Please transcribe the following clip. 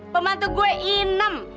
pembantu gue inem